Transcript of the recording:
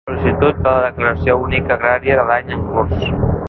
Sol·licitud de la Declaració única agrària de l'any en curs.